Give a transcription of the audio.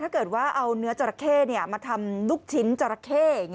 ถ้าเกิดว่าเอาเนื้อจราเข้มาทำลูกชิ้นจราเข้